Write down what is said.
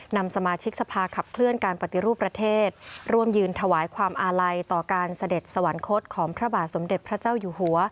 นำสมาชิกสภาขับเคลื่อนการปฏิรูปประเทศร่วมยืนถวายความอาลัยต่อการเสด็จสวรรคตของพระบาทสมเด็จพระเจ้าอยู่หัว